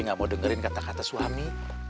gak mau dengerin kata kata suami